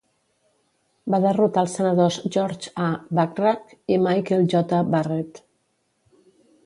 Va derrotar els senadors George A. Bachrach i Michael J. Barrett.